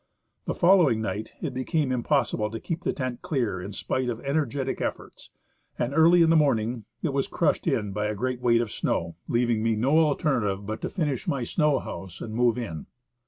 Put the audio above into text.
The following night it became impossi ble to keep the tent clear in spite of energetic efforts, and early in the morning it was crushed in by a great weight of snow, Alone in the Snoiu. 155 leaving me no alternative but to finish my snow liouse and move in.